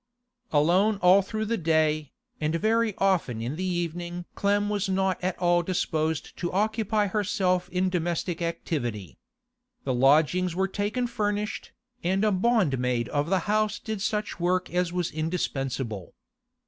Alone all through the day, and very often in the evening Clem was not at all disposed to occupy herself in domestic activity. The lodgings were taken furnished, and a bondmaid of the house did such work as was indispensable.